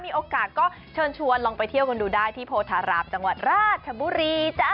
มีโอกาสก็เชิญชวนลองไปเที่ยวกันดูได้ที่โพธารามจังหวัดราชบุรีจ๊ะ